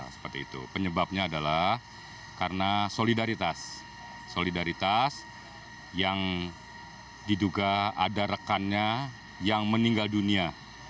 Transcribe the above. seperti itu penyebabnya adalah karena solidaritas solidaritas yang diduga ada rekannya yang meninggal dunia